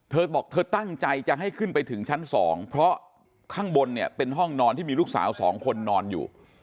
เธอบอกเธอตั้งใจจะให้ขึ้นไปถึงชั้น๒เพราะข้างบนเนี่ยเป็นห้องนอนที่มีลูกสาวสองคนนอนอยู่